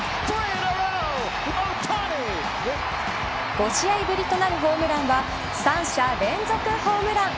５試合ぶりとなるホームランは３者連続ホームラン。